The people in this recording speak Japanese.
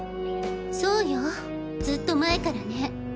そうよずっと前からね。